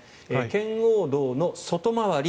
圏央道の外回り